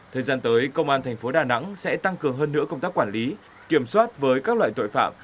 thời gian tới công an thành phố đà nẵng sẽ tăng cường hơn nữa công tác quản lý kiểm soát với các loại tội phạm